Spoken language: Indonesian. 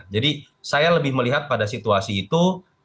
jadi saya lebih melihat pada situasi itu